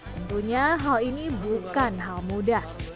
tentunya hal ini bukan hal mudah